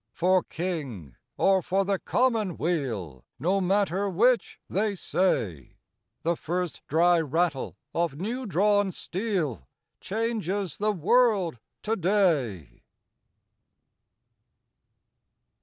For King or for the Commonweal No matter which they say, The first dry rattle of new drawn steel Changes the world to day